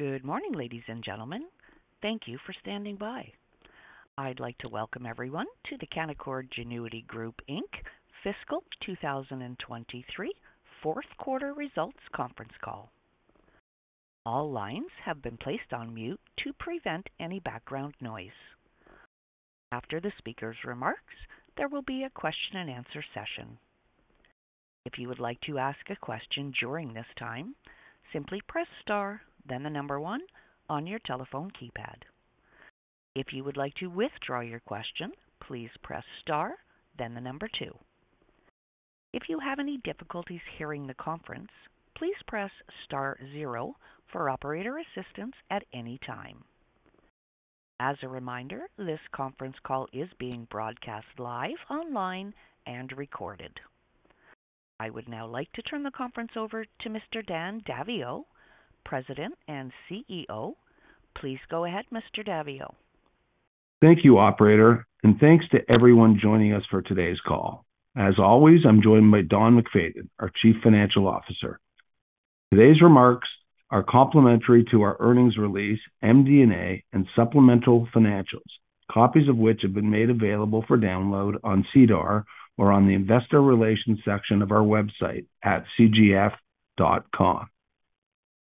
Good morning, ladies and gentlemen. Thank you for standing by. I'd like to welcome everyone to the Canaccord Genuity Group Inc. Fiscal 2023, fourth quarter results conference call. All lines have been placed on mute to prevent any background noise. After the speaker's remarks, there will be a question and answer session. If you would like to ask a question during this time, simply press Star, then 1 on your telephone keypad. If you would like to withdraw your question, please press Star, then 2. If you have any difficulties hearing the conference, please press Star 0 for operator assistance at any time. As a reminder, this conference call is being broadcast live, online, and recorded. I would now like to turn the conference over to Mr. Dan Daviau, President and CEO. Please go ahead, Mr. Daviau. Thank you, operator, thanks to everyone joining us for today's call. As always, I'm joined by Don MacFayden, our Chief Financial Officer. Today's remarks are complementary to our earnings release, MD&A, and supplemental financials, copies of which have been made available for download on SEDAR or on the investor relations section of our website at cgf.com.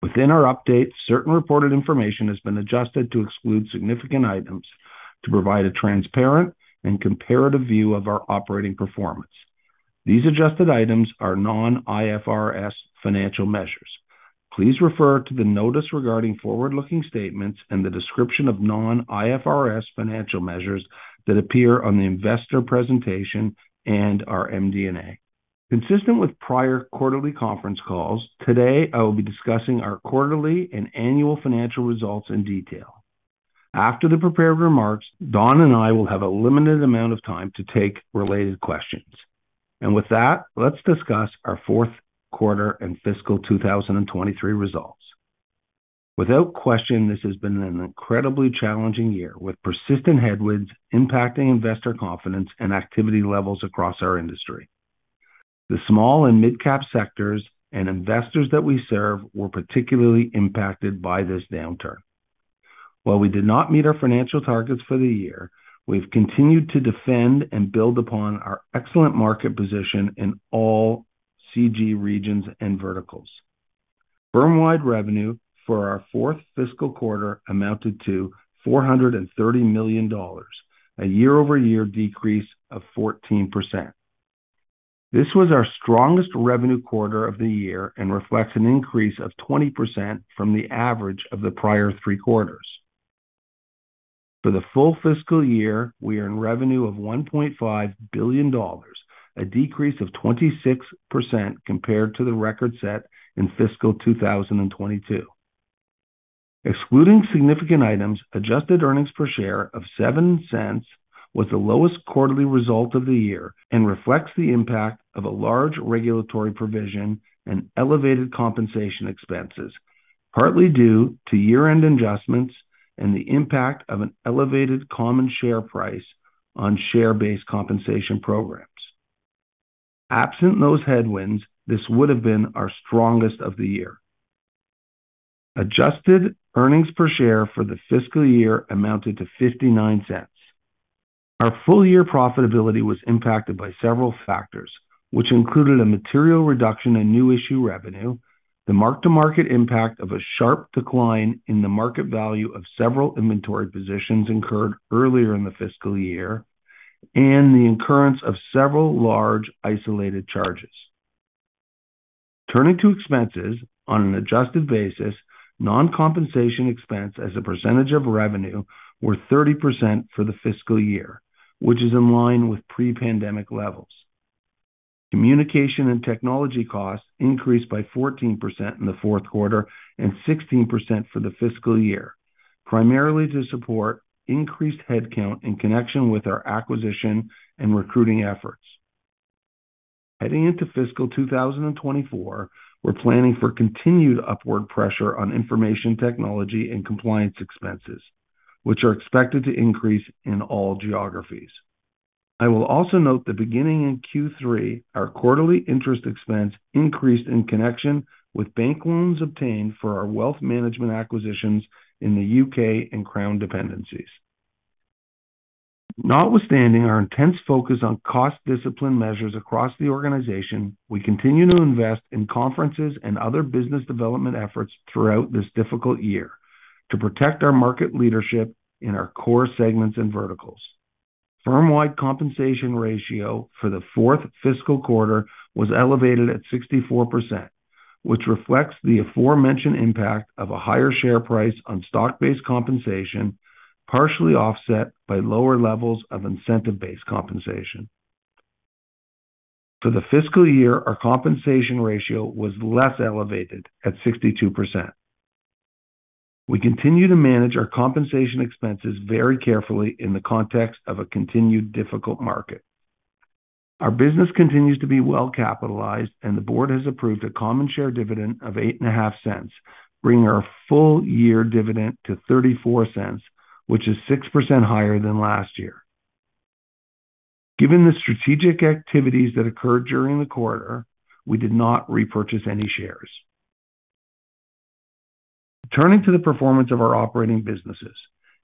Within our update, certain reported information has been adjusted to exclude significant items to provide a transparent and comparative view of our operating performance. These adjusted items are non-IFRS financial measures. Please refer to the notice regarding forward-looking statements and the description of non-IFRS financial measures that appear on the investor presentation and our MD&A. Consistent with prior quarterly conference calls, today I will be discussing our quarterly and annual financial results in detail. After the prepared remarks, Don and I will have a limited amount of time to take related questions. With that, let's discuss our fourth quarter and fiscal 2023 results. Without question, this has been an incredibly challenging year, with persistent headwinds impacting investor confidence and activity levels across our industry. The small and midcap sectors and investors that we serve were particularly impacted by this downturn. While we did not meet our financial targets for the year, we've continued to defend and build upon our excellent market position in all CG regions and verticals. Firm-wide revenue for our fourth fiscal quarter amounted to 430 million dollars, a year-over-year decrease of 14%. This was our strongest revenue quarter of the year and reflects an increase of 20% from the average of the prior three quarters. For the full fiscal year, we earned revenue of 1.5 billion dollars, a decrease of 26% compared to the record set in fiscal 2022. Excluding significant items, adjusted earnings per share of 0.07 was the lowest quarterly result of the year and reflects the impact of a large regulatory provision and elevated compensation expenses, partly due to year-end adjustments and the impact of an elevated common share price on share-based compensation programs. Absent those headwinds, this would have been our strongest of the year. Adjusted earnings per share for the fiscal year amounted to 0.59. Our full-year profitability was impacted by several factors, which included a material reduction in new issue revenue, the mark-to-market impact of a sharp decline in the market value of several inventory positions incurred earlier in the fiscal year, and the incurrence of several large isolated charges. Turning to expenses, on an adjusted basis, non-compensation expense as a percentage of revenue were 30% for the fiscal year, which is in line with pre-pandemic levels. Communication and technology costs increased by 14% in the fourth quarter and 16% for the fiscal year, primarily to support increased headcount in connection with our acquisition and recruiting efforts. Heading into fiscal 2024, we're planning for continued upward pressure on information technology and compliance expenses, which are expected to increase in all geographies. I will also note that beginning in Q3, our quarterly interest expense increased in connection with bank loans obtained for our wealth management acquisitions in the U.K. and Crown dependencies. Notwithstanding our intense focus on cost discipline measures across the organization, we continue to invest in conferences and other business development efforts throughout this difficult year to protect our market leadership in our core segments and verticals. Firm-wide compensation ratio for the fourth fiscal quarter was elevated at 64%, which reflects the aforementioned impact of a higher share price on stock-based compensation, partially offset by lower levels of incentive-based compensation. For the fiscal year, our compensation ratio was less elevated at 62%. We continue to manage our compensation expenses very carefully in the context of a continued difficult market. Our business continues to be well capitalized, and the board has approved a common share dividend of 0.085, bringing our full year dividend to 0.34, which is 6% higher than last year. Given the strategic activities that occurred during the quarter, we did not repurchase any shares. Turning to the performance of our operating businesses.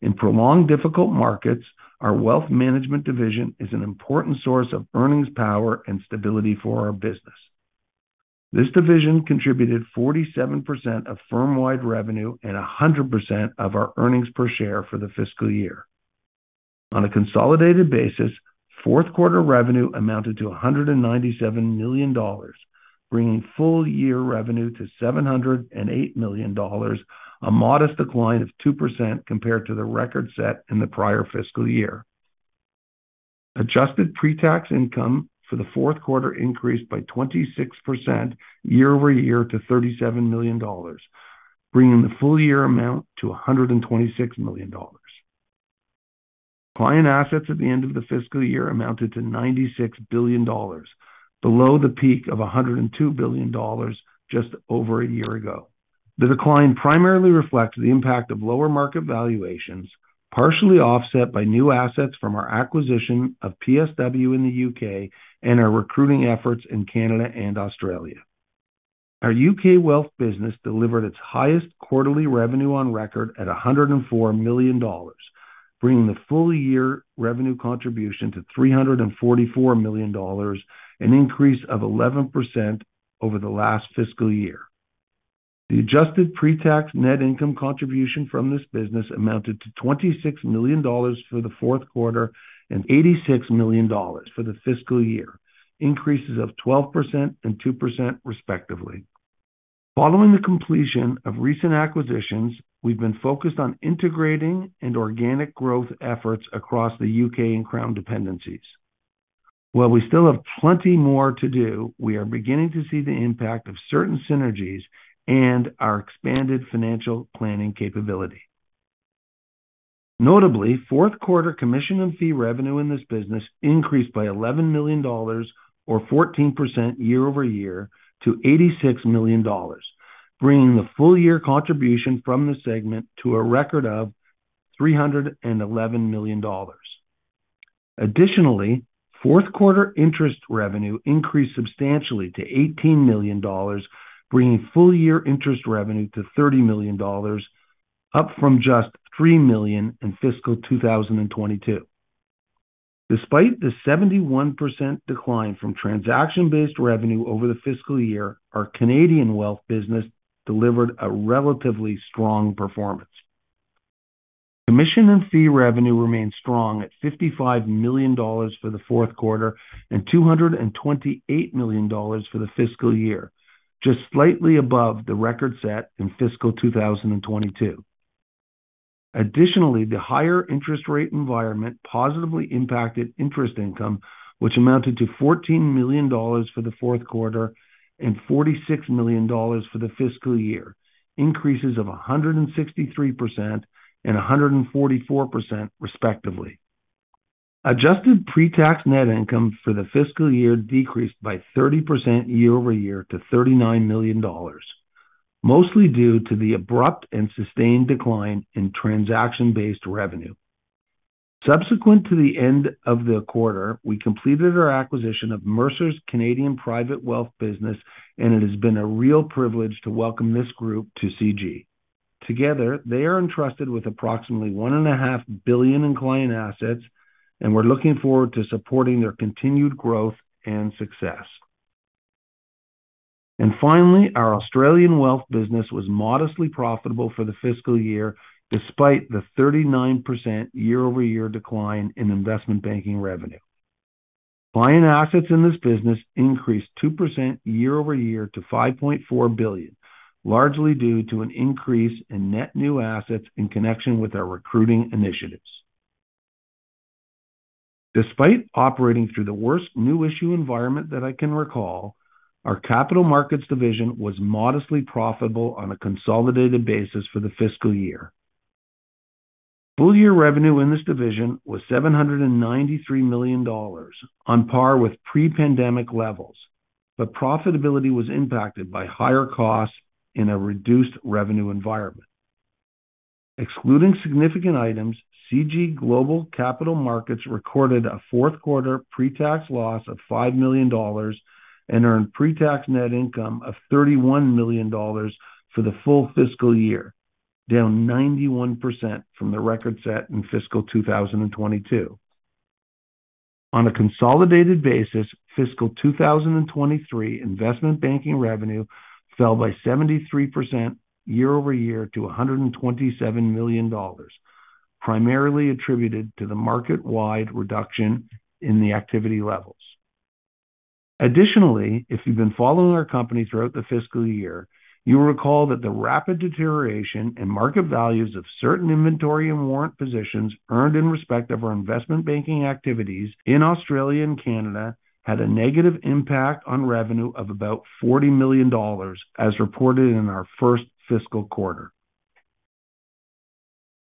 In prolonged difficult markets, our wealth management division is an important source of earnings, power, and stability for our business. This division contributed 47% of firm-wide revenue and 100% of our earnings per share for the fiscal year. On a consolidated basis, fourth quarter revenue amounted to 197 million dollars, bringing full-year revenue to 708 million dollars, a modest decline of 2% compared to the record set in the prior fiscal year. Adjusted pre-tax income for the fourth quarter increased by 26% year-over-year to CAD 37 million, bringing the full year amount to CAD 126 million. Client assets at the end of the fiscal year amounted to CAD 96 billion, below the peak of CAD 102 billion just over a year ago. The decline primarily reflects the impact of lower market valuations, partially offset by new assets from our acquisition of PSW in the U.K. and our recruiting efforts in Canada and Australia. Our U.K. wealth business delivered its highest quarterly revenue on record at GBP 104 million, bringing the full year revenue contribution to GBP 344 million, an increase of 11% over the last fiscal year. The adjusted pre-tax net income contribution from this business amounted to GBP 26 million for the fourth quarter and GBP 86 million for the fiscal year, increases of 12% and 2%, respectively. Following the completion of recent acquisitions, we've been focused on integrating and organic growth efforts across the U.K. and Crown dependencies. While we still have plenty more to do, we are beginning to see the impact of certain synergies and our expanded financial planning capability. Notably, fourth quarter commission and fee revenue in this business increased by 11 million dollars or 14% year-over-year to 86 million dollars, bringing the full year contribution from the segment to a record of 311 million dollars. Additionally, fourth quarter interest revenue increased substantially to 18 million dollars, bringing full year interest revenue to 30 million dollars, up from just 3 million in fiscal 2022. Despite the 71% decline from transaction-based revenue over the fiscal year, our Canadian wealth business delivered a relatively strong performance. Commission and fee revenue remained strong at 55 million dollars for the fourth quarter and 228 million dollars for the fiscal year, just slightly above the record set in fiscal 2022. The higher interest rate environment positively impacted interest income, which amounted to 14 million dollars for the fourth quarter and 46 million dollars for the fiscal year, increases of 163% and 144%, respectively. Adjusted pre-tax net income for the fiscal year decreased by 30% year-over-year to 39 million dollars, mostly due to the abrupt and sustained decline in transaction-based revenue. Subsequent to the end of the quarter, we completed our acquisition of Mercer's Canadian Private Wealth business. It has been a real privilege to welcome this group to CG. Together, they are entrusted with approximately one and a half billion in client assets. We're looking forward to supporting their continued growth and success. Finally, our Australian wealth business was modestly profitable for the fiscal year, despite the 39% year-over-year decline in investment banking revenue. Client assets in this business increased 2% year-over-year to 5.4 billion, largely due to an increase in net new assets in connection with our recruiting initiatives. Despite operating through the worst new issue environment that I can recall, our capital markets division was modestly profitable on a consolidated basis for the fiscal year. Full year revenue in this division was 793 million dollars, on par with pre-pandemic levels, profitability was impacted by higher costs in a reduced revenue environment. Excluding significant items, Canaccord Genuity Capital Markets recorded a fourth quarter pre-tax loss of 5 million dollars and earned pre-tax net income of 31 million dollars for the full fiscal year, down 91% from the record set in fiscal 2022. On a consolidated basis, fiscal 2023 investment banking revenue fell by 73% year-over-year to 127 million dollars, primarily attributed to the market-wide reduction in the activity levels. Additionally, if you've been following our company throughout the fiscal year, you will recall that the rapid deterioration in market values of certain inventory and warrant positions earned in respect of our investment banking activities in Australia and Canada had a negative impact on revenue of about 40 million dollars, as reported in our first fiscal quarter.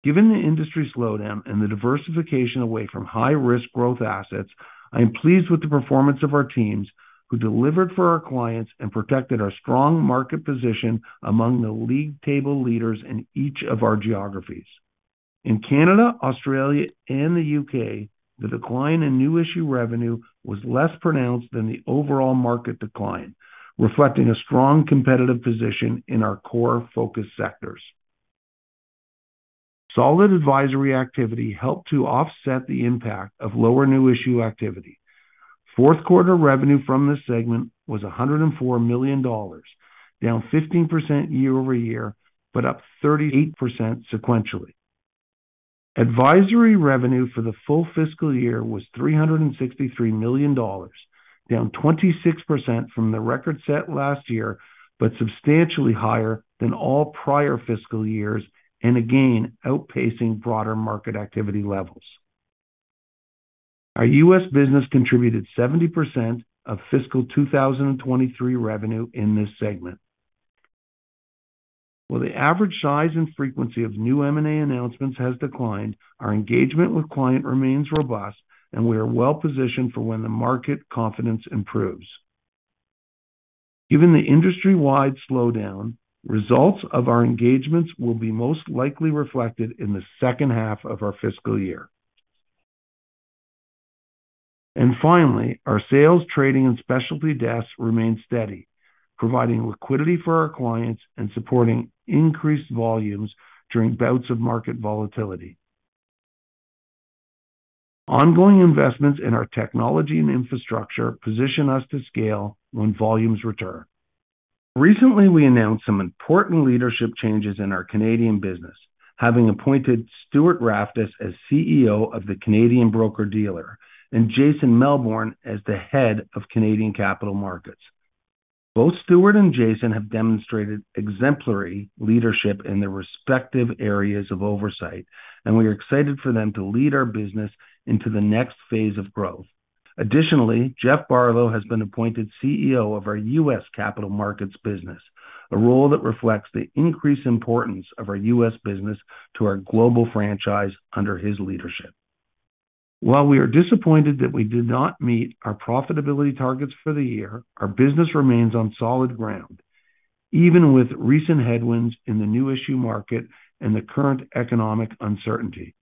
Given the industry slowdown and the diversification away from high-risk growth assets, I am pleased with the performance of our teams, who delivered for our clients and protected our strong market position among the league table leaders in each of our geographies. In Canada, Australia, and the U.K., the decline in new issue revenue was less pronounced than the overall market decline, reflecting a strong competitive position in our core focus sectors. Solid advisory activity helped to offset the impact of lower new issue activity. Fourth quarter revenue from this segment was 104 million dollars, down 15% year-over-year, but up 38% sequentially. Advisory revenue for the full fiscal year was 363 million dollars, down 26% from the record set last year, but substantially higher than all prior fiscal years, and again outpacing broader market activity levels. Our U.S. business contributed 70% of fiscal 2023 revenue in this segment. While the average size and frequency of new M&A announcements has declined, our engagement with client remains robust, we are well positioned for when the market confidence improves. Given the industry-wide slowdown, results of our engagements will be most likely reflected in the second half of our fiscal year. Finally, our sales, trading, and specialty desks remain steady, providing liquidity for our clients and supporting increased volumes during bouts of market volatility. Ongoing investments in our technology and infrastructure position us to scale when volumes return. Recently, we announced some important leadership changes in our Canadian business, having appointed Stuart Raftus as CEO of the Canadian Broker-Dealer and Jason Melbourne as the Head of Canadian Capital Markets. Both Stuart and Jason have demonstrated exemplary leadership in their respective areas of oversight, and we are excited for them to lead our business into the next phase of growth. Jeff Barlow has been appointed CEO of our U.S. Capital Markets business, a role that reflects the increased importance of our U.S. business to our global franchise under his leadership. While we are disappointed that we did not meet our profitability targets for the year, our business remains on solid ground, even with recent headwinds in the new issue market and the current economic uncertainty.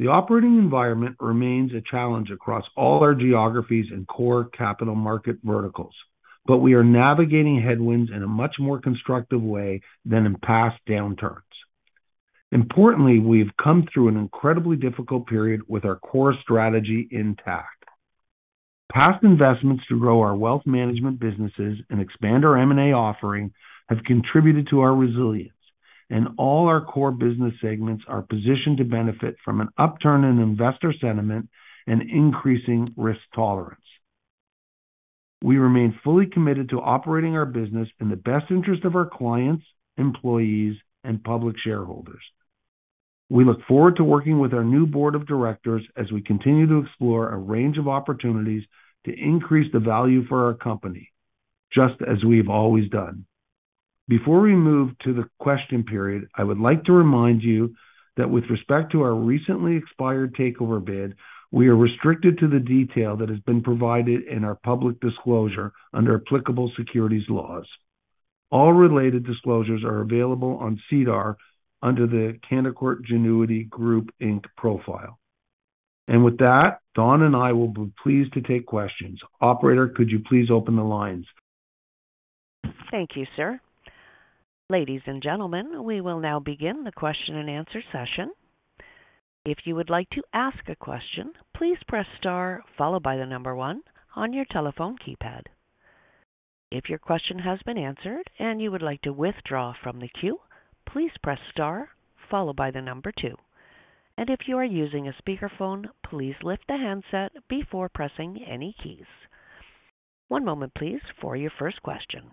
The operating environment remains a challenge across all our geographies and core capital market verticals. We are navigating headwinds in a much more constructive way than in past downturns. We've come through an incredibly difficult period with our core strategy intact. Past investments to grow our wealth management businesses and expand our M&A offering have contributed to our resilience. All our core business segments are positioned to benefit from an upturn in investor sentiment and increasing risk tolerance. We remain fully committed to operating our business in the best interest of our clients, employees, and public shareholders. We look forward to working with our new board of directors as we continue to explore a range of opportunities to increase the value for our company, just as we've always done. Before we move to the question period, I would like to remind you that with respect to our recently expired takeover bid, we are restricted to the detail that has been provided in our public disclosure under applicable securities laws. All related disclosures are available on SEDAR under the Canaccord Genuity Group Inc. profile. With that, Don and I will be pleased to take questions. Operator, could you please open the lines? Thank you, sir. Ladies and gentlemen, we will now begin the question and answer session. If you would like to ask a question, please press Star followed by the number one on your telephone keypad. If your question has been answered and you would like to withdraw from the queue, please press Star followed by the number two. If you are using a speakerphone, please lift the handset before pressing any keys. One moment, please, for your first question.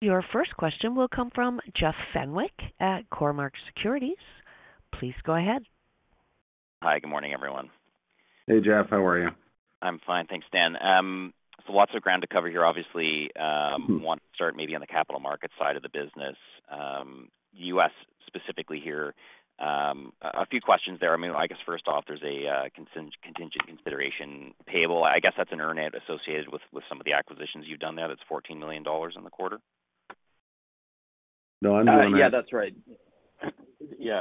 Your first question will come from Jeff Fenwick at Cormark Securities. Please go ahead. Hi, good morning, everyone. Hey, Jeff, how are you? I'm fine, thanks, Dan. Lots of ground to cover here, obviously. Want to start maybe on the capital market side of the business, U.S. specifically here. A few questions there. I mean, I guess first off, there's a contingent consideration payable. I guess that's an earn-out associated with some of the acquisitions you've done there. That's $14 million in the quarter. No, Yeah, that's right. Yeah.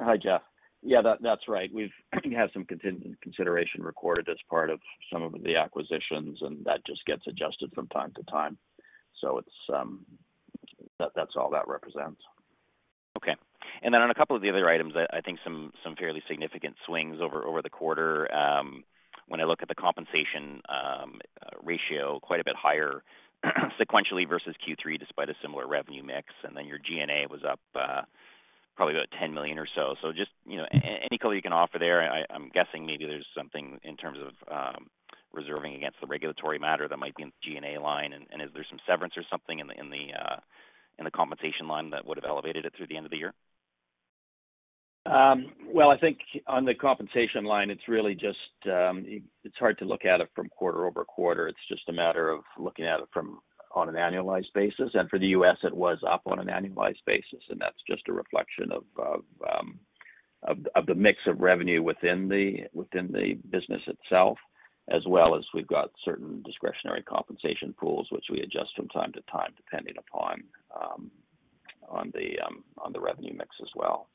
Hi, Jeff. Yeah, that's right. We've had some contingent consideration recorded as part of some of the acquisitions, and that just gets adjusted from time to time. It's, that's all that represents. Okay. On a couple of the other items, I think some fairly significant swings over the quarter. When I look at the compensation ratio, quite a bit higher sequentially versus Q3, despite a similar revenue mix, your G&A was up probably about 10 million or so. Just, you know, any color you can offer there. I'm guessing maybe there's something in terms of reserving against the regulatory matter that might be in the G&A line. Is there some severance or something in the compensation line that would have elevated it through the end of the year? Well, I think on the compensation line, it's really just, it's hard to look at it from quarter-over-quarter. It's just a matter of looking at it from on an annualized basis. For the U.S., it was up on an annualized basis. That's just a reflection of the mix of revenue within the business itself, as well as we've got certain discretionary compensation pools, which we adjust from time to time, depending upon the revenue mix as well.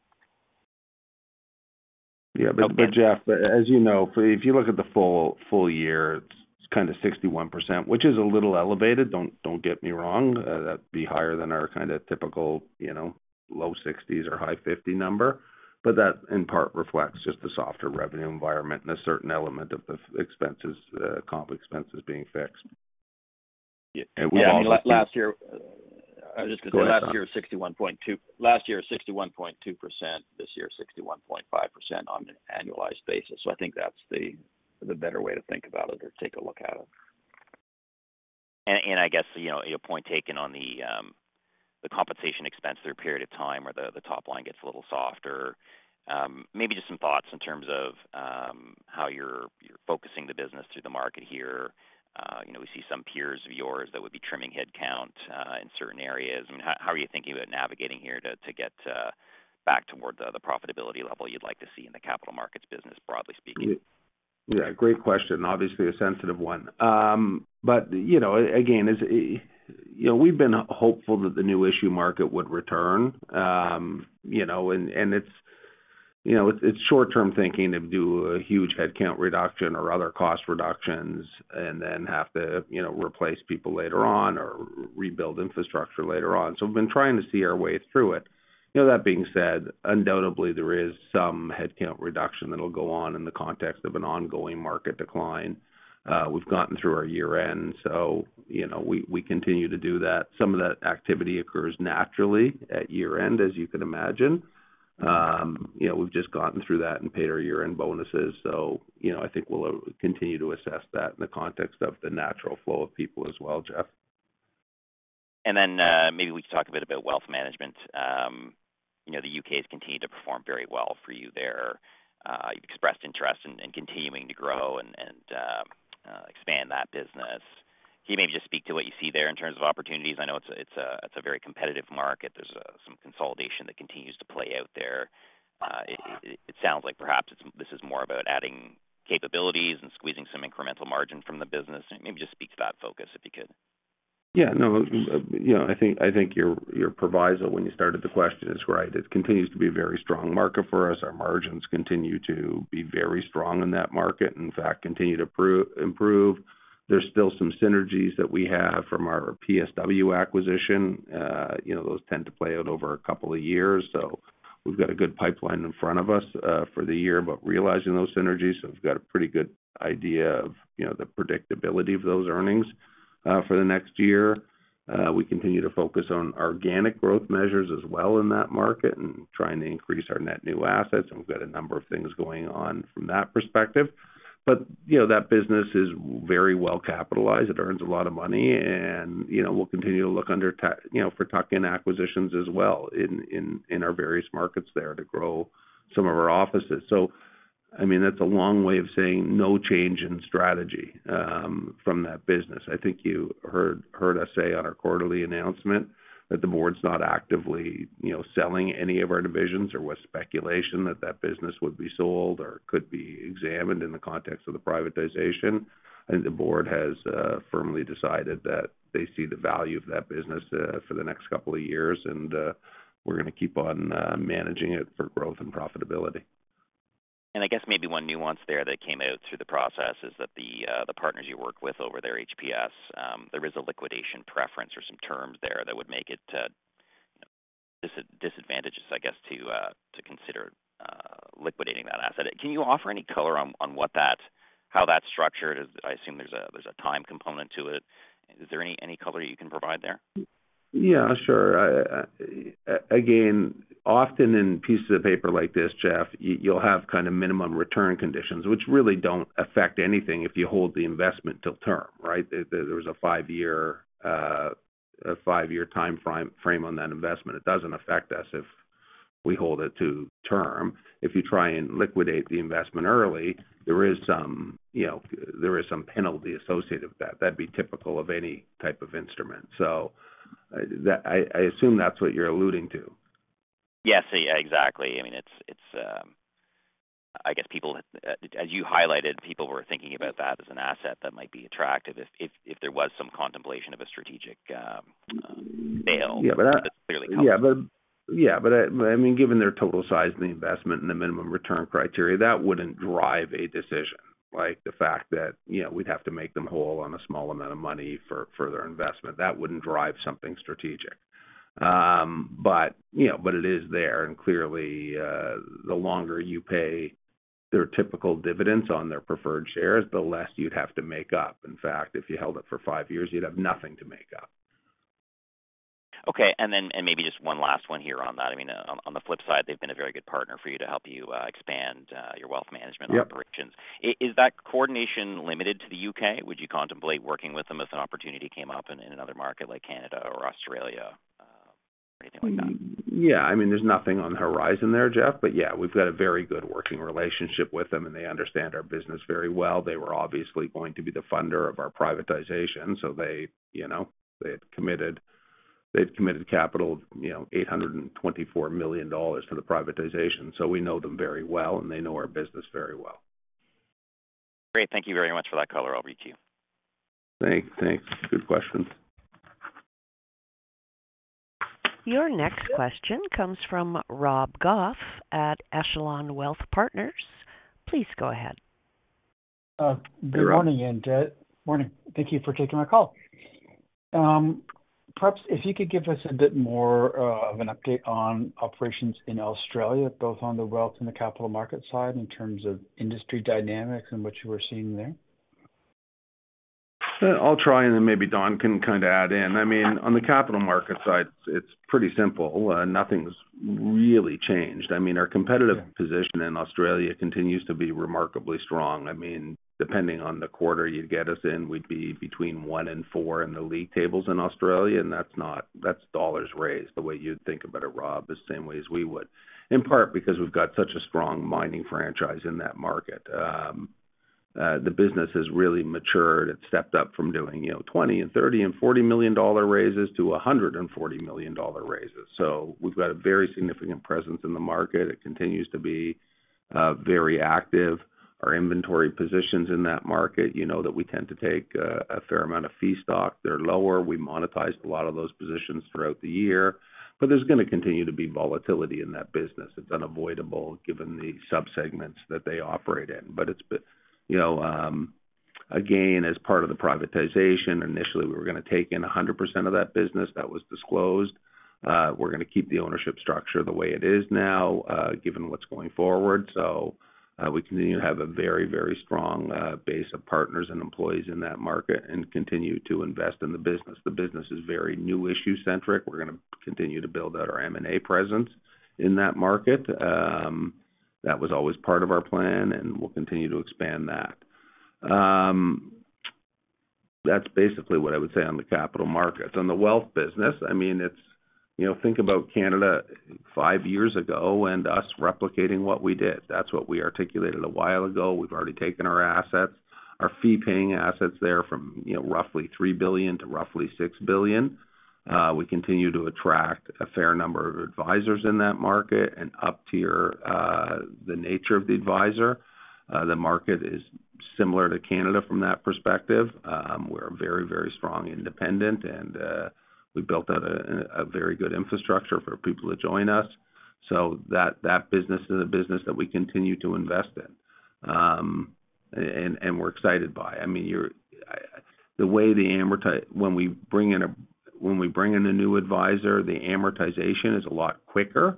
Yeah. Jeff, as you know, if you look at the full year, it's kind of 61%, which is a little elevated, don't get me wrong. That'd be higher than our kind of typical, you know, low 60s or high 50 number. That, in part, reflects just the softer revenue environment and a certain element of the expenses, comp expenses being fixed. Yeah, I mean, last year. Go ahead, Don. Last year, 61.2%, this year, 61.5% on an annualized basis. I think that's the better way to think about it or take a look at it. I guess, you know, your point taken on the compensation expense through a period of time where the top line gets a little softer. Maybe just some thoughts in terms of, how you're focusing the business through the market here. You know, we see some peers of yours that would be trimming headcount, in certain areas. I mean, how are you thinking about navigating here to get back toward the profitability level you'd like to see in the capital markets business, broadly speaking? Yeah, great question, obviously a sensitive one. You know, again, it's, you know, we've been hopeful that the new issue market would return. You know, and it's, you know, it's short-term thinking to do a huge headcount reduction or other cost reductions and then have to, you know, replace people later on or rebuild infrastructure later on. We've been trying to see our way through it. You know, that being said, undoubtedly, there is some headcount reduction that'll go on in the context of an ongoing market decline. We've gotten through our year-end, so, you know, we continue to do that. Some of that activity occurs naturally at year-end, as you can imagine. You know, we've just gotten through that and paid our year-end bonuses. You know, I think we'll continue to assess that in the context of the natural flow of people as well, Jeff. Then, maybe we can talk a bit about wealth management. You know, the U.K. has continued to perform very well for you there. You've expressed interest in continuing to grow and expand that business. Can you maybe just speak to what you see there in terms of opportunities? I know it's a, it's a, it's a very competitive market. There's some consolidation that continues to play out there. It sounds like perhaps this is more about adding capabilities and squeezing some incremental margin from the business. Maybe just speak to that focus, if you could. I think your proviso when you started the question is right. It continues to be a very strong market for us. Our margins continue to be very strong in that market. In fact, continue to improve. There's still some synergies that we have from our PSW acquisition. You know, those tend to play out over a couple of years, we've got a good pipeline in front of us for the year. Realizing those synergies, we've got a pretty good idea of, you know, the predictability of those earnings for the next year. We continue to focus on organic growth measures as well in that market and trying to increase our net new assets, we've got a number of things going on from that perspective. You know, that business is very well capitalized. It earns a lot of money, and, you know, we'll continue to look under you know, for tuck-in acquisitions as well in, in our various markets there to grow some of our offices. I mean, that's a long way of saying no change in strategy from that business. I think you heard us say on our quarterly announcement that the board's not actively, you know, selling any of our divisions, or with speculation that that business would be sold or could be examined in the context of the privatization. The board has firmly decided that they see the value of that business for the next couple of years, and we're going to keep on managing it for growth and profitability. I guess maybe one nuance there that came out through the process is that the partners you work with over there, HPS, there is a liquidation preference or some terms there that would make it disadvantageous, I guess, to consider liquidating that asset. Can you offer any color on how that's structured? I assume there's a time component to it. Is there any color you can provide there? Yeah, sure. again, often in pieces of paper like this, Jeff, you'll have kind of minimum return conditions, which really don't affect anything if you hold the investment till term, right? There was a five-year, a five-year time frame on that investment. It doesn't affect us if we hold it to term. If you try and liquidate the investment early, there is some, you know, there is some penalty associated with that. That'd be typical of any type of instrument. I assume that's what you're alluding to. Yes, exactly. I mean, it's, I guess people, as you highlighted, people were thinking about that as an asset that might be attractive if there was some contemplation of a strategic sale. Yeah. Clearly, company. I mean, given their total size and the investment and the minimum return criteria, that wouldn't drive a decision. Like, the fact that, you know, we'd have to make them whole on a small amount of money for their investment, that wouldn't drive something strategic. You know, it is there, and clearly, the longer you pay their typical dividends on their preferred shares, the less you'd have to make up. In fact, if you held it for five years, you'd have nothing to make up. Okay. Maybe just one last one here on that. I mean, on the flip side, they've been a very good partner for you to help you, expand, your wealth management. Yep operations. Is that coordination limited to the U.K.? Would you contemplate working with them if an opportunity came up in another market like Canada or Australia, anything like that? Yeah. I mean, there's nothing on the horizon there, Jeff. Yeah, we've got a very good working relationship with them, and they understand our business very well. They were obviously going to be the funder of our privatization. They, you know, they had committed capital, you know, $824 million to the privatization. We know them very well, and they know our business very well. Great. Thank you very much for that color, I'll reach you. Thanks. Thanks. Good questions. Your next question comes from Rob Goff at Echelon Wealth Partners. Please go ahead. Good morning and morning. Thank you for taking my call. Perhaps if you could give us a bit more of an update on operations in Australia, both on the wealth and the capital market side, in terms of industry dynamics and what you are seeing there? I'll try. Then maybe Don can kind of add in. I mean, on the capital market side, it's pretty simple. Nothing's really changed. I mean, our competitive position in Australia continues to be remarkably strong. I mean, depending on the quarter you'd get us in, we'd be between one and four in the league tables in Australia. That's not that's dollars raised, the way you'd think about it, Rob, the same way as we would. In part, because we've got such a strong mining franchise in that market. The business has really matured and stepped up from doing, you know, 20 million and 30 million and 40 million dollar raises to a 140 million dollar raises. We've got a very significant presence in the market. It continues to be very active. Our inventory positions in that market, you know that we tend to take a fair amount of fee stock. They're lower. We monetized a lot of those positions throughout the year, but there's going to continue to be volatility in that business. It's unavoidable, given the subsegments that they operate in. But it's been, you know, again, as part of the privatization, initially, we were going to take in 100% of that business that was disclosed. We're going to keep the ownership structure the way it is now, given what's going forward. We continue to have a very, very strong base of partners and employees in that market and continue to invest in the business. The business is very new issue-centric. We're going to continue to build out our M&A presence in that market. That was always part of our plan, and we'll continue to expand that. That's basically what I would say on the capital markets. On the wealth business, I mean, you know, think about Canada five years ago and us replicating what we did. That's what we articulated a while ago. We've already taken our assets, our fee-paying assets there from, you know, roughly 3 billion to roughly 6 billion. We continue to attract a fair number of advisors in that market and up-tier the nature of the advisor. The market is similar to Canada from that perspective. We're a very, very strong independent, and we built out a very good infrastructure for people to join us. That business is a business that we continue to invest in and we're excited by. I mean, you're, when we bring in a new advisor, the amortization is a lot quicker.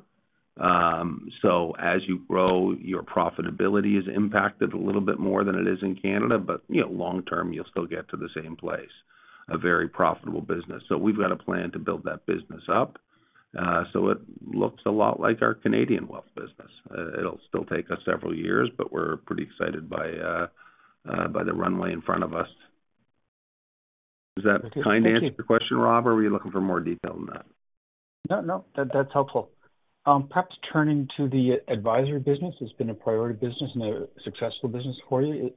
As you grow, your profitability is impacted a little bit more than it is in Canada, but, you know, long term, you'll still get to the same place, a very profitable business. We've got a plan to build that business up, so it looks a lot like our Canadian wealth business. It'll still take us several years, but we're pretty excited by the runway in front of us. Does that kinda answer your question, Rob, or were you looking for more detail than that? No, no, that's helpful. Perhaps turning to the advisory business, it's been a priority business and a successful business for you.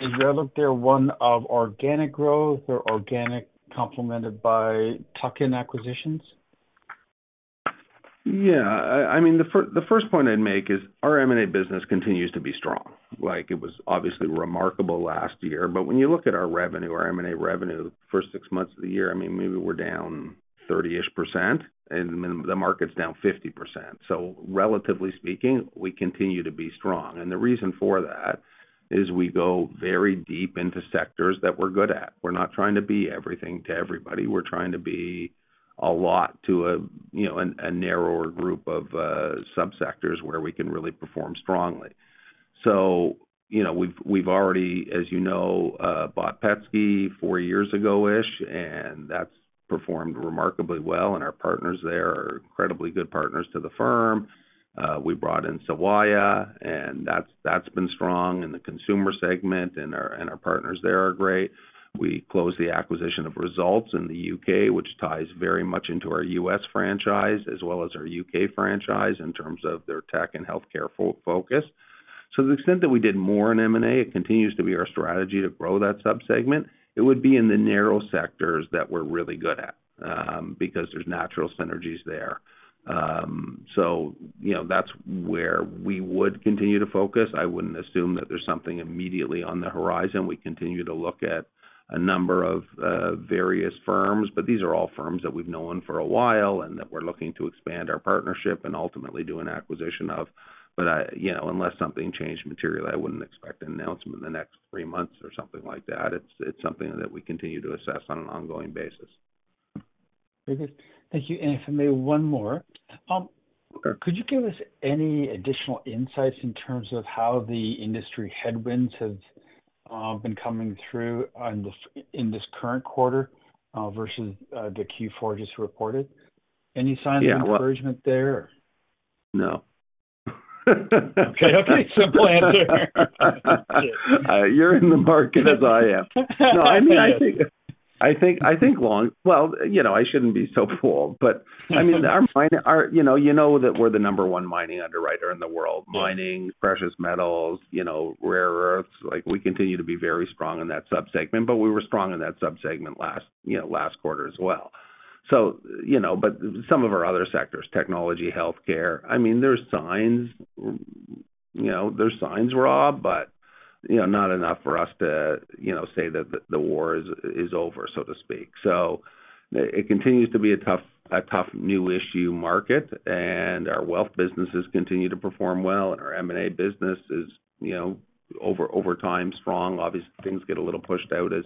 Is that up there, one of organic growth or organic, complemented by tuck-in acquisitions? I mean, the first point I'd make is our M&A business continues to be strong. Like, it was obviously remarkable last year. When you look at our revenue, our M&A revenue, for six months of the year, I mean, maybe we're down 30%-ish, and the market's down 50%. Relatively speaking, we continue to be strong. The reason for that is we go very deep into sectors that we're good at. We're not trying to be everything to everybody. We're trying to be a lot to a, you know, a narrower group of subsectors where we can really perform strongly. You know, we've already, as you know, bought Petsky four years ago-ish. That's performed remarkably well. Our partners there are incredibly good partners to the firm. We brought in Sawaya, and that's been strong in the consumer segment, and our partners there are great. We closed the acquisition of Results in the U.K., which ties very much into our U.S. franchise, as well as our U.K. franchise in terms of their tech and healthcare focus. To the extent that we did more in M&A, it continues to be our strategy to grow that subsegment. It would be in the narrow sectors that we're really good at, because there's natural synergies there. You know, that's where we would continue to focus. I wouldn't assume that there's something immediately on the horizon. We continue to look at a number of various firms, but these are all firms that we've known for a while and that we're looking to expand our partnership and ultimately do an acquisition of. I, you know, unless something changed materially, I wouldn't expect an announcement in the next three months or something like that. It's something that we continue to assess on an ongoing basis. Very good. Thank you. If I may, one more. Could you give us any additional insights in terms of how the industry headwinds have been coming through in this current quarter, versus the Q4 just reported? Any signs of encouragement there? No. Okay. Okay, simple answer. You're in the market as I am. No, I mean, I think long. Well, you know, I shouldn't be so fooled, but I mean, our mining, you know, you know that we're the number one mining underwriter in the world. Mining, precious metals, you know, rare earths, like, we continue to be very strong in that subsegment, but we were strong in that subsegment last, you know, last quarter as well. You know, some of our other sectors, technology, healthcare, I mean, there's signs, you know, there's signs, Rob, but, you know, not enough for us to, you know, say that the war is over, so to speak. It continues to be a tough, a tough new issue market, and our wealth businesses continue to perform well, and our M&A business is, you know, over time, strong. Obviously, things get a little pushed out as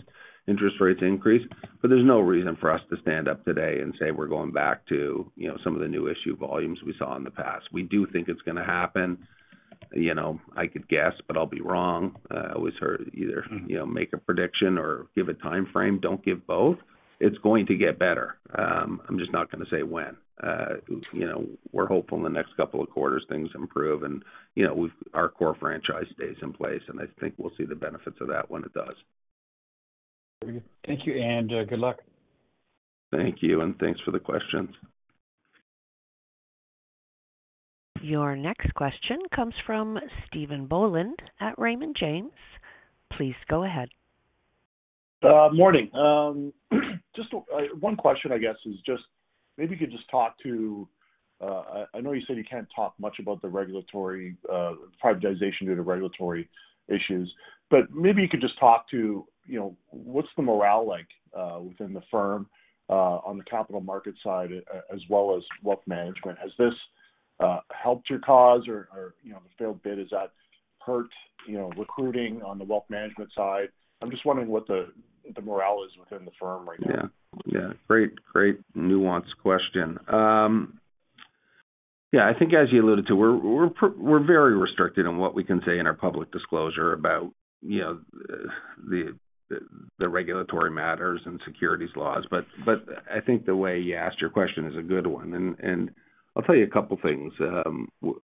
interest rates increase, but there's no reason for us to stand up today and say we're going back to, you know, some of the new issue volumes we saw in the past. We do think it's gonna happen. You know, I could guess, but I'll be wrong. I always heard either, you know, make a prediction or give a timeframe. Don't give both. It's going to get better. I'm just not gonna say when. You know, we're hopeful in the next couple of quarters, things improve and, you know, our core franchise stays in place, and I think we'll see the benefits of that when it does. Thank you, and good luck. Thank you, and thanks for the question. Your next question comes from Stephen Boland at Raymond James. Please go ahead. Morning. Just one question, I guess, is just maybe you could just talk to. I know you said you can't talk much about the regulatory privatization due to regulatory issues, but maybe you could just talk to, you know, what's the morale like within the firm, on the Capital Markets side, as well as Wealth Management? Has this helped your cause or, you know, the failed bid, has that hurt, you know, recruiting on the Wealth Management side? I'm just wondering what the morale is within the firm right now. Yeah. Yeah. Great, great nuanced question. Yeah, I think as you alluded to, we're very restricted on what we can say in our public disclosure about, you know, the regulatory matters and securities laws. I think the way you asked your question is a good one, and I'll tell you a couple things.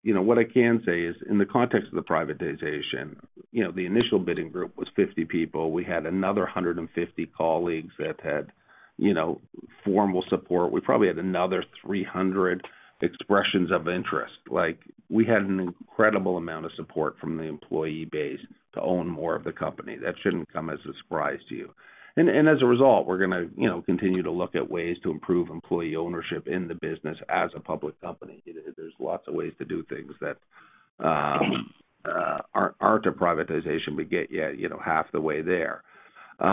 You know, what I can say is, in the context of the privatization, you know, the initial bidding group was 50 people. We had another 150 colleagues that had, you know, formal support. We probably had another 300 expressions of interest. Like, we had an incredible amount of support from the employee base to own more of the company. That shouldn't come as a surprise to you. As a result, we're gonna, you know, continue to look at ways to improve employee ownership in the business as a public company. There's lots of ways to do things that aren't a privatization, but get you know, half the way there. You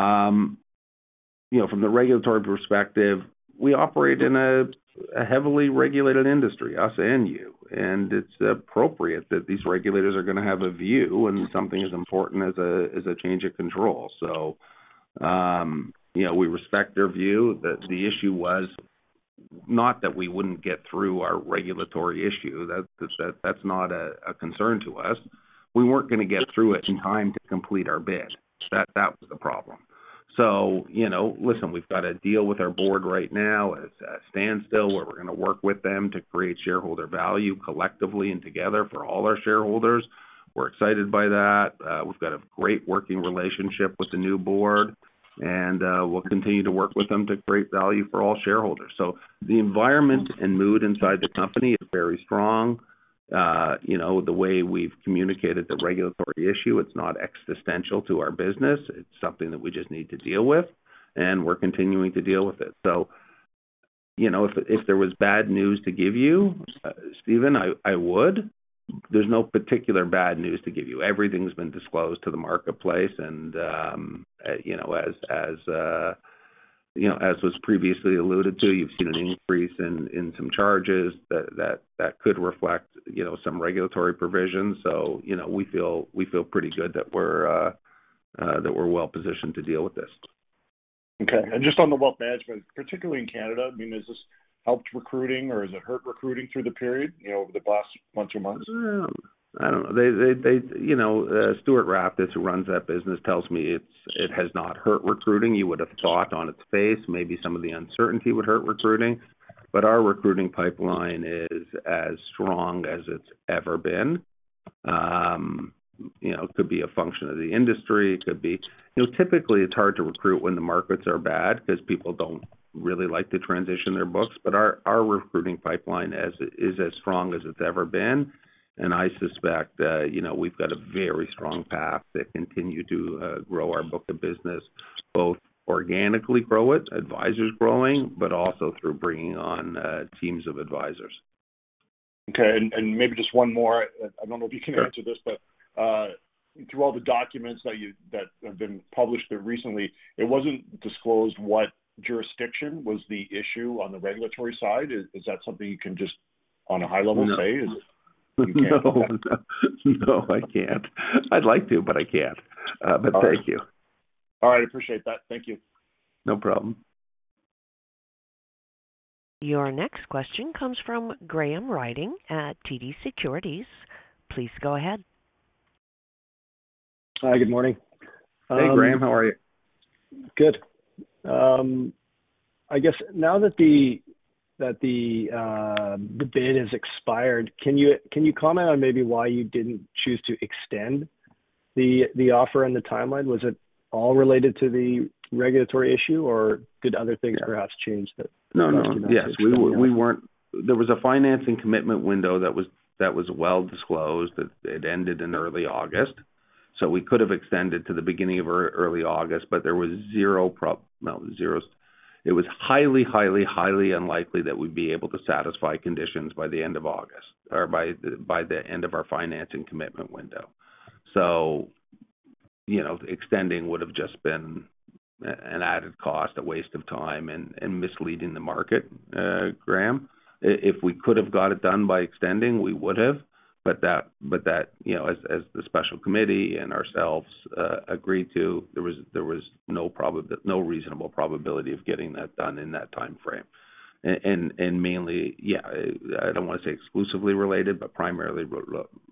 know, from the regulatory perspective, we operate in a heavily regulated industry, us and you, and it's appropriate that these regulators are gonna have a view on something as important as a change of control. We respect their view. The issue was not that we wouldn't get through our regulatory issue, that's not a concern to us. We weren't gonna get through it in time to complete our bid. That was the problem. Listen, we've got a deal with our board right now. It's at a standstill, where we're gonna work with them to create shareholder value collectively and together for all our shareholders. We're excited by that. We've got a great working relationship with the new board, and we'll continue to work with them to create value for all shareholders. The environment and mood inside the company is very strong. You know, the way we've communicated the regulatory issue, it's not existential to our business. It's something that we just need to deal with, and we're continuing to deal with it. You know, if there was bad news to give you, Steven, I would. There's no particular bad news to give you. Everything's been disclosed to the marketplace, you know, as, you know, as was previously alluded to, you've seen an increase in some charges that could reflect, you know, some regulatory provisions. You know, we feel pretty good that we're well positioned to deal with this. Okay. Just on the wealth management, particularly in Canada, I mean, has this helped recruiting or has it hurt recruiting through the period, you know, over the past month or months? I don't know. They You know, Stuart Raftus, who runs that business, tells me it has not hurt recruiting. You would have thought on its face, maybe some of the uncertainty would hurt recruiting. Our recruiting pipeline is as strong as it's ever been. You know, could be a function of the industry, it could be... You know, typically, it's hard to recruit when the markets are bad because people don't really like to transition their books. Our recruiting pipeline is as strong as it's ever been, I suspect that, you know, we've got a very strong path to continue to grow our book of business, both organically grow it, advisors growing, but also through bringing on teams of advisors. Okay, and maybe just one more. I don't know if you can answer this- Sure. Through all the documents that have been published recently, it wasn't disclosed what jurisdiction was the issue on the regulatory side. Is that something you can just on a high level say? No. You can't? No, I can't. I'd like to, but I can't. Thank you. All right, I appreciate that. Thank you. No problem. Your next question comes from Graham Ryding at TD Securities. Please go ahead. Hi, good morning. Hey, Graham. How are you? Good. I guess now that the bid has expired, can you comment on maybe why you didn't choose to extend the offer and the timeline? Was it all related to the regulatory issue, or did other things perhaps change that? No, no. Yes, we. There was a financing commitment window that was well disclosed. It ended in early August. We could have extended to the beginning of early August, there was zero, not zero. It was highly, highly unlikely that we'd be able to satisfy conditions by the end of August or by the end of our financing commitment window. You know, extending would have just been an added cost, a waste of time, and misleading the market, Graham. If we could have got it done by extending, we would have, that, you know, as the special committee and ourselves agreed to, there was no reasonable probability of getting that done in that time frame. Mainly, yeah, I don't want to say exclusively related, but primarily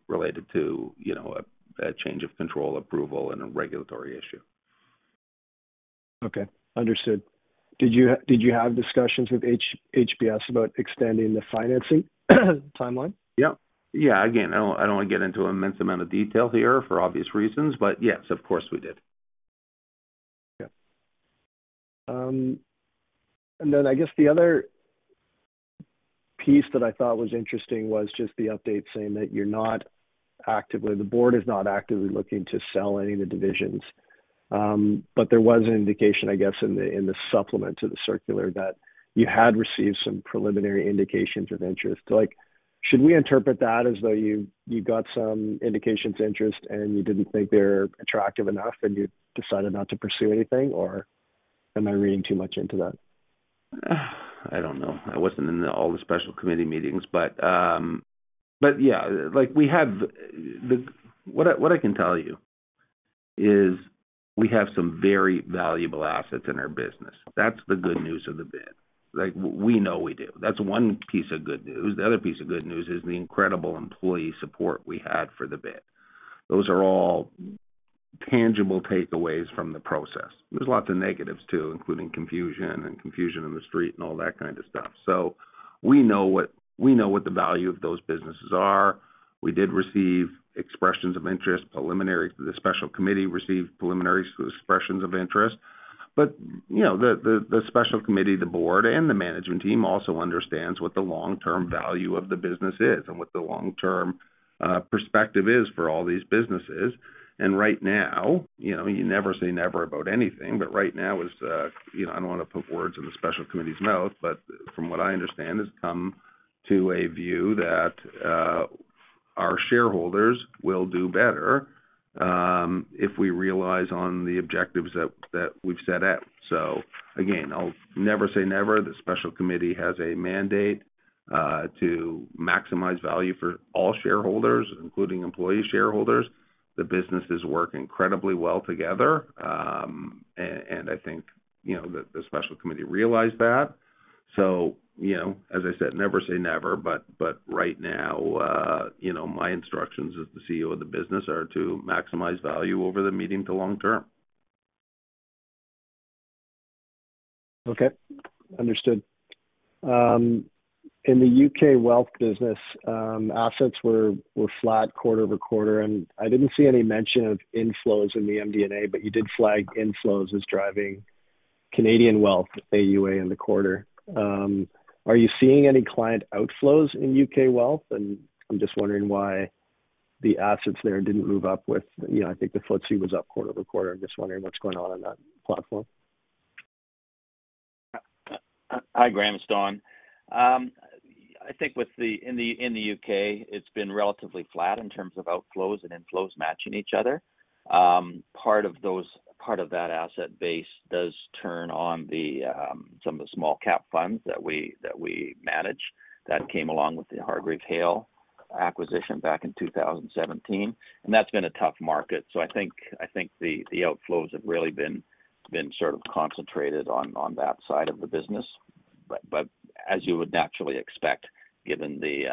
related to, you know, a change of control approval and a regulatory issue. Okay, understood. Did you have discussions with HPS about extending the financing timeline? Yep. Yeah, again, I don't, I don't want to get into immense amount of detail here for obvious reasons, but yes, of course, we did. Yeah. I guess the other piece that I thought was interesting was just the update saying that the board is not actively looking to sell any of the divisions. There was an indication, I guess, in the, in the supplement to the circular, that you had received some preliminary indications of interest. Like, should we interpret that as though you got some indications of interest, and you didn't think they're attractive enough, and you decided not to pursue anything? Or am I reading too much into that? I don't know. I wasn't in all the special committee meetings, yeah, like, we have What I can tell you is we have some very valuable assets in our business. That's the good news of the bid. Like, we know we do. That's one piece of good news. The other piece of good news is the incredible employee support we had for the bid. Those are all tangible takeaways from the process. There's lots of negatives, too, including confusion in the street and all that kind of stuff. We know what the value of those businesses are. We did receive expressions of interest. The special committee received preliminary expressions of interest, you know, the special committee, the board, and the management team also understands what the long-term value of the business is and what the long-term perspective is for all these businesses. Right now, you know, you never say never about anything, but right now is, you know, I don't want to put words in the special committee's mouth, but from what I understand, has come to a view that our shareholders will do better if we realize on the objectives that we've set out. Again, I'll never say never. The special committee has a mandate to maximize value for all shareholders, including employee shareholders. The businesses work incredibly well together, and I think, you know, the special committee realized that. You know, as I said, never say never, but right now, you know, my instructions as the CEO of the business are to maximize value over the medium to long term. Okay, understood. In the U.K. wealth business, assets were flat quarter-over-quarter. I didn't see any mention of inflows in the MD&A, but you did flag inflows as driving Canadian wealth, AUA in the quarter. Are you seeing any client outflows in U.K. wealth? I'm just wondering why the assets there didn't move up with... You know, I think the FTSE was up quarter-over-quarter. I'm just wondering what's going on in that platform. Hi, Graham, it's Don. I think in the U.K., it's been relatively flat in terms of outflows and inflows matching each other. Part of that asset base does turn on the some of the small cap funds that we manage, that came along with the Hargreave Hale acquisition back in 2017, and that's been a tough market. I think the outflows have really been sort of concentrated on that side of the business. As you would naturally expect, given the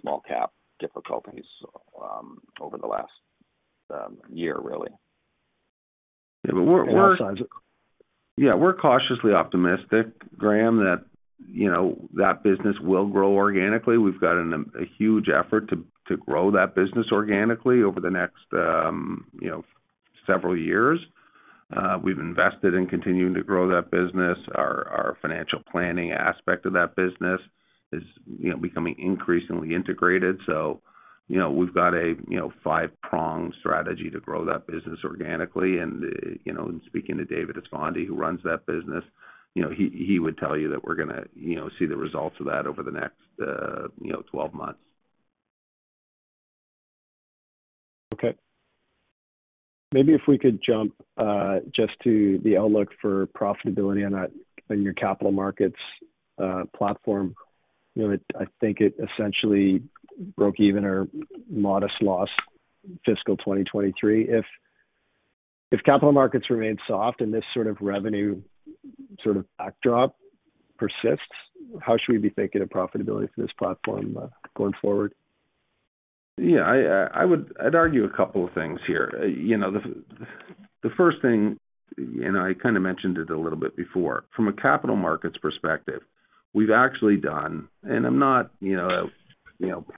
small cap difficulties, over the last year, really. Yeah, but we're. Our sides. Yeah, we're cautiously optimistic, Graham, that, you know, that business will grow organically. We've got a huge effort to grow that business organically over the next, you know, several years. We've invested in continuing to grow that business. Our financial planning aspect of that business is, you know, becoming increasingly integrated. You know, we've got a, you know, five-pronged strategy to grow that business organically. You know, speaking to David Esfandi, who runs that business, you know, he would tell you that we're gonna, you know, see the results of that over the next, you know, 12 months. Okay. Maybe if we could jump just to the outlook for profitability on that, in your capital markets platform. You know, I think it essentially broke even or modest loss fiscal 2023. If capital markets remain soft and this sort of revenue backdrop persists, how should we be thinking of profitability for this platform going forward? Yeah, I'd argue a couple of things here. You know, the first thing, I kind of mentioned it a little bit before, from a capital markets perspective, we've actually done... I'm not, you know,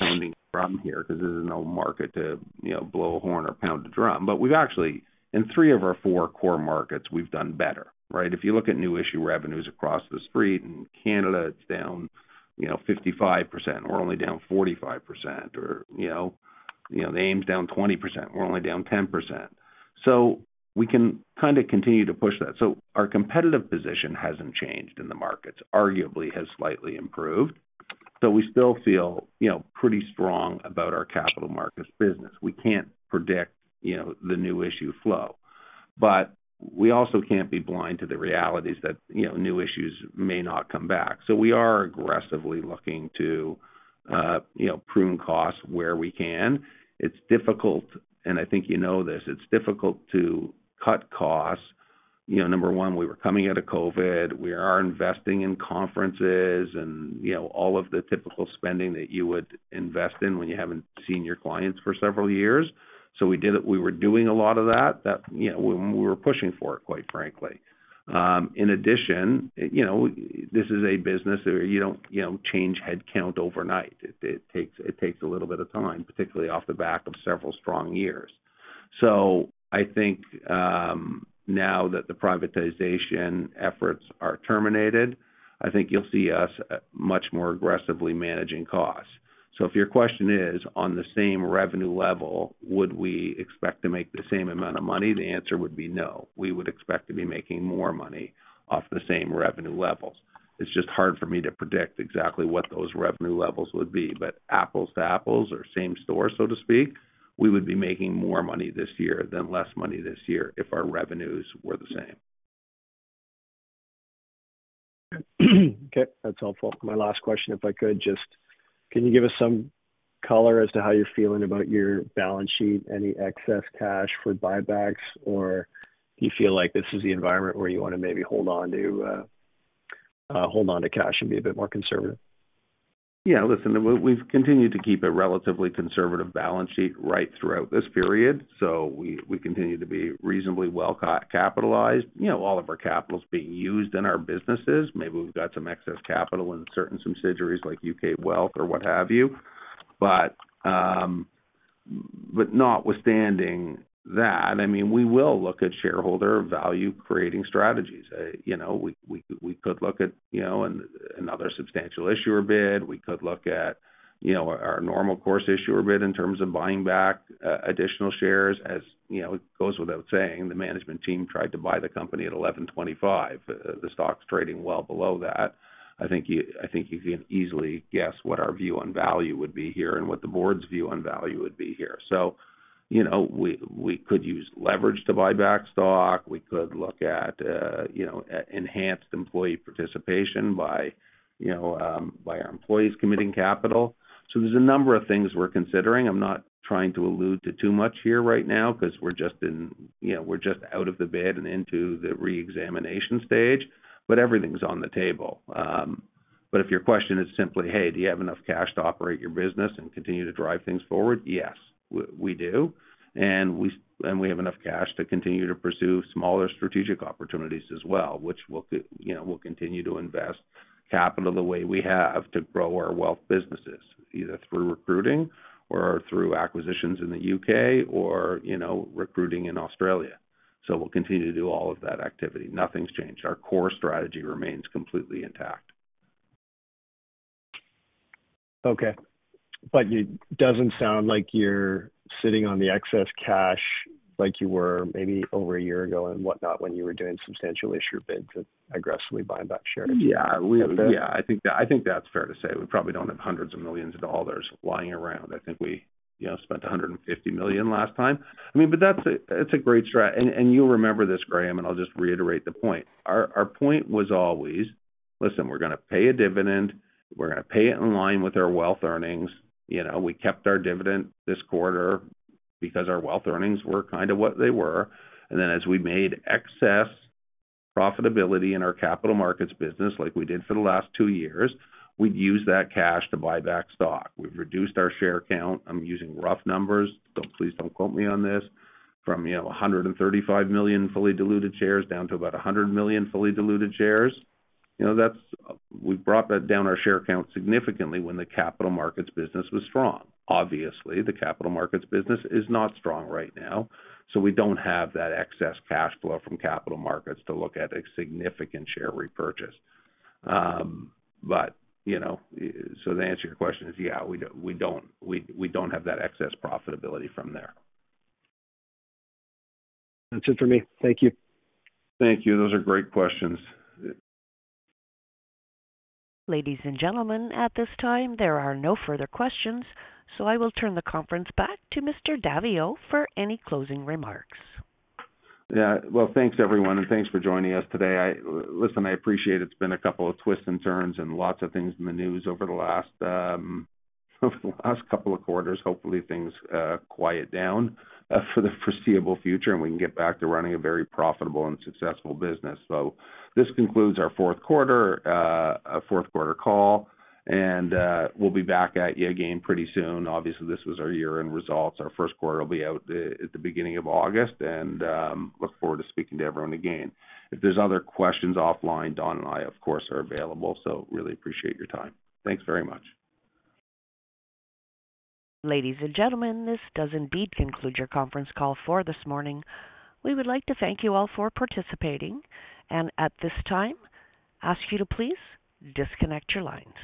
pounding a drum here because there's no market to, you know, blow a horn or pound a drum. We've actually, in three of our four core markets, we've done better, right? If you look at new issue revenues across the street, in Canada, it's down, you know, 55%, we're only down 45% or, you know. You know, the AIM's down 20%, we're only down 10%. We can kind of continue to push that. Our competitive position hasn't changed in the markets. Arguably, has slightly improved. We still feel, you know, pretty strong about our capital markets business. We can't predict, you know, the new issue flow, but we also can't be blind to the realities that, you know, new issues may not come back. We are aggressively looking to, you know, prune costs where we can. It's difficult, and I think you know this, it's difficult to cut costs. You know, number one, we were coming out of COVID. We are investing in conferences and, you know, all of the typical spending that you would invest in when you haven't seen your clients for several years. We were doing a lot of that, you know, we were pushing for it, quite frankly. In addition, you know, this is a business where you don't, you know, change headcount overnight. It takes a little bit of time, particularly off the back of several strong years. I think, now that the privatization efforts are terminated, I think you'll see us much more aggressively managing costs. If your question is, on the same revenue level, would we expect to make the same amount of money? The answer would be no. We would expect to be making more money off the same revenue levels. It's just hard for me to predict exactly what those revenue levels would be. Apples to apples or same store, so to speak, we would be making more money this year than less money this year if our revenues were the same. Okay, that's helpful. My last question, if I could just. Can you give us some color as to how you're feeling about your balance sheet, any excess cash for buybacks, or do you feel like this is the environment where you want to maybe hold on to cash and be a bit more conservative? Yeah, listen, we've continued to keep a relatively conservative balance sheet right throughout this period, so we continue to be reasonably well capitalized. You know, all of our capital is being used in our businesses. Maybe we've got some excess capital in certain subsidiaries, like U.K. Wealth or what have you. Notwithstanding that, I mean, we will look at shareholder value-creating strategies. You know, we could look at, you know, another substantial issuer bid. We could look at, you know, our normal course issuer bid in terms of buying back additional shares. As, you know, it goes without saying, the management team tried to buy the company at 11.25. The stock's trading well below that. I think you can easily guess what our view on value would be here and what the board's view on value would be here. You know, we could use leverage to buy back stock. We could look at, you know, enhanced employee participation by, you know, by our employees committing capital. There's a number of things we're considering. I'm not trying to allude to too much here right now, 'cause we're just in, you know, we're just out of the bid and into the reexamination stage, but everything's on the table. If your question is simply, hey, do you have enough cash to operate your business and continue to drive things forward? Yes, we do, and we have enough cash to continue to pursue smaller strategic opportunities as well, which, you know, we'll continue to invest capital the way we have to grow our wealth businesses, either through recruiting or through acquisitions in the U.K. or, you know, recruiting in Australia. We'll continue to do all of that activity. Nothing's changed. Our core strategy remains completely intact. Okay. It doesn't sound like you're sitting on the excess cash like you were maybe over a year ago and whatnot, when you were doing substantial issuer bids and aggressively buying back shares. Yeah. Okay. Yeah, I think that, I think that's fair to say. We probably don't have hundreds of millions of CAD lying around. I think we, you know, spent 150 million last time. I mean, that's a, it's a great and you'll remember this, Graham, and I'll just reiterate the point. Our point was always: Listen, we're gonna pay a dividend. We're gonna pay it in line with our wealth earnings. You know, we kept our dividend this quarter because our wealth earnings were kind of what they were, and then as we made excess profitability in our capital markets business, like we did for the last two years, we'd use that cash to buy back stock. We've reduced our share count, I'm using rough numbers, so please don't quote me on this, from, you know, 135 million fully diluted shares down to about 100 million fully diluted shares. You know, that's we've brought that down our share count significantly when the capital markets business was strong. Obviously, the capital markets business is not strong right now. We don't have that excess cash flow from capital markets to look at a significant share repurchase. You know, to answer your question is, yeah, we don't, we don't have that excess profitability from there. That's it for me. Thank you. Thank you. Those are great questions. Ladies and gentlemen, at this time, there are no further questions, so I will turn the conference back to Mr. Daviau for any closing remarks. Yeah. Well, thanks, everyone, and thanks for joining us today. Listen, I appreciate it's been a couple of twists and turns and lots of things in the news over the last couple of quarters. Hopefully, things quiet down for the foreseeable future, and we can get back to running a very profitable and successful business. This concludes our fourth quarter call, and we'll be back at you again pretty soon. Obviously, this was our year-end results. Our first quarter will be out at the beginning of August, and look forward to speaking to everyone again. If there's other questions offline, Don and I, of course, are available. Really appreciate your time. Thanks very much. Ladies and gentlemen, this does indeed conclude your conference call for this morning. We would like to thank you all for participating, and at this time, ask you to please disconnect your lines.